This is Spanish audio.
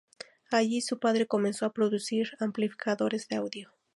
Allí su padre comenzó a producir amplificadores de audio.